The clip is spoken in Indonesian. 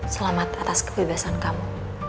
selamat atas kebebasan kamu